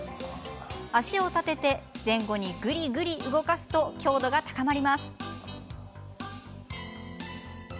足を立てて前後に、ぐりぐり動かすと強度が高まります。